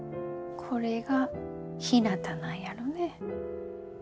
これがひなたなんやろね。